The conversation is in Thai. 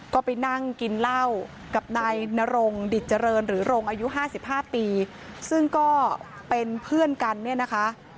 ก็ไปนั่งกินเหล้ากับนายนรงดิจเจริญหรือโรงอายุห้าสิบห้าปีซึ่งก็เป็นเพื่อนกันเนี่ยนะคะ